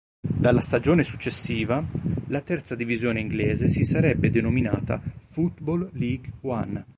Dalla stagione successiva, la terza divisione inglese si sarebbe denominata "Football League One".